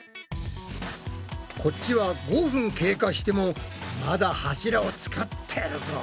こっちは５分経過してもまだ柱を作ってるぞ。